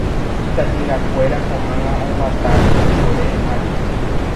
Itajyrakuéra ko'ág̃a oguata ipypore ári.